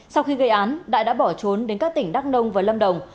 sau khi gây án đại đã bỏ trốn đến các tỉnh đắk nông và lâm đồng